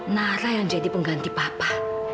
nara yang jadi pengganti papa